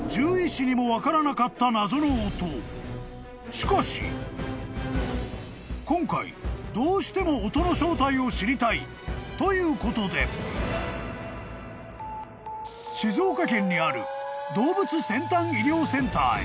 ［しかし今回どうしても］［ということで静岡県にある動物先端医療センターへ］